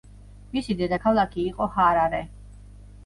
მისი დედაქალაქი იყო ჰარარე.